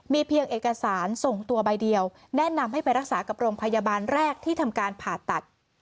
เพียงเอกสารส่งตัวใบเดียวแนะนำให้ไปรักษากับโรงพยาบาลแรกที่ทำการผ่าตัด